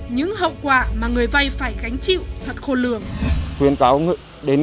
nhưng không đủ điều kiện tiếp cận vốn ngân hàng